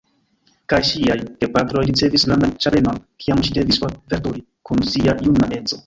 Kaj ŝiaj gepatroj ricevis grandan ĉagrenon, kiam ŝi devis forveturi kun sia juna edzo.